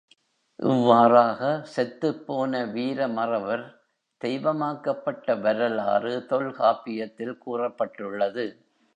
இவ்வாறாக, செத்துப் போன வீர மறவர் தெய்வமாக்கப்பட்ட வரலாறு தொல்காப்பியத்தில் கூறப்பட்டுள்ளது.